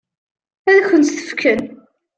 Ad kent-t-fken?